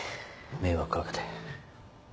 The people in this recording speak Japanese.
迷惑掛けて。